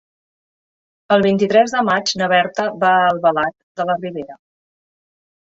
El vint-i-tres de maig na Berta va a Albalat de la Ribera.